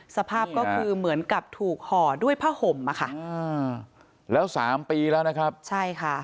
สภาพก็คือเหมือนกับถูกห่อด้วยผ้าห่มอ่ะค่ะอ่าแล้วสามปีแล้วนะครับใช่ค่ะ